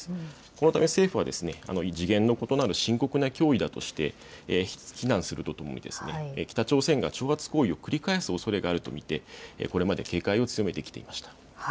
このため政府は次元の異なる深刻な脅威だとして非難するとともに北朝鮮が挑発行為を繰り返すおそれがあると見てこれまで警戒を強めてきていました。